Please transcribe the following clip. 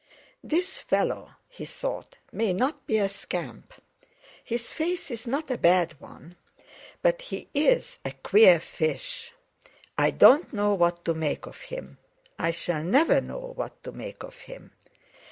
"This fellow," he thought, "may not be a scamp; his face is not a bad one, but he's a queer fish. I don't know what to make of him. I shall never know what to make of him!